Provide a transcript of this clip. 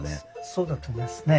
そうだと思いますね。